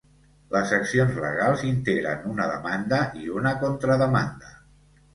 Les accions legals integren una demanda i una contrademanda.